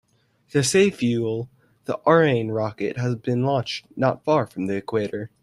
To save fuel, the Ariane rocket has been launched not far from the equator.